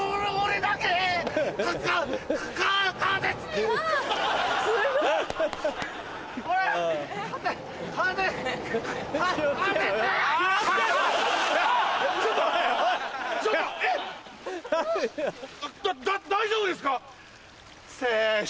だ大丈夫ですか？